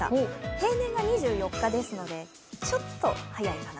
平年が２４日ですので、ちょっと早いかな。